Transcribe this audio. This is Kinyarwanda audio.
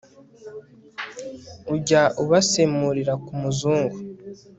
Ujya abasemurira ku Muzungu